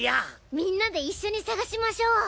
みんなで一緒に探しましょう。